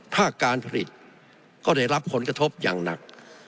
ภาคการผลิตก็ได้รับผลกระทบอย่างหนัก